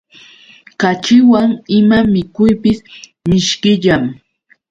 Kaćhiwan ima mikuypis mishkillam.